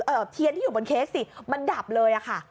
เอ่อเทียนที่อยู่บนเค้กสิมันดับเลยค่ะ